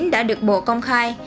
đã được bộ công khai